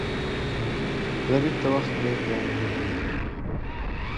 غریب ته وخت ډېر ګران وي